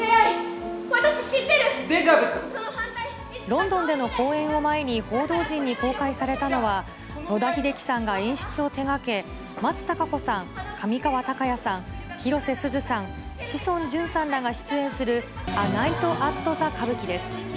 ロンドンでの公演を前に、報道陣に公開されたのは、野田秀樹さんが演出を手がけ、松たか子さん、上川隆也さん、広瀬すずさん、志尊淳さんらが出演するア・ナイト・アット・ザ・カブキです。